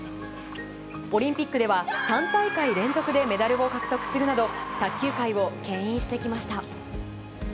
オリンピックでは３大会連続でメダルを獲得するなど卓球界を牽引してきました。